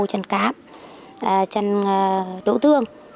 còn cám chăn đỗ tương